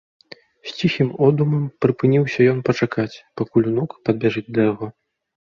З ціхім одумам прыпыніўся ён пачакаць, пакуль унук падбяжыць да яго.